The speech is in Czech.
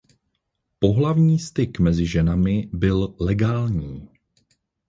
Pohlavní styk mezi ženami byl legální.